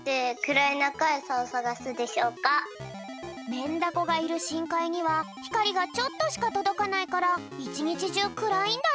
メンダコがいるしんかいにはひかりがちょっとしかとどかないからいちにちじゅうくらいんだって。